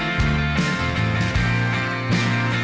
gue akan pergi